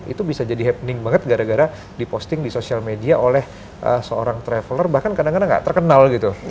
itu bisa jadi happening banget gara gara diposting di sosial media oleh seorang traveler bahkan kadang kadang gak terkenal gitu